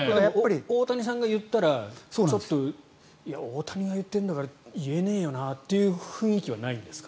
大谷さんが言ったら大谷が言ってるんだから言えねえよなという雰囲気はないんですか？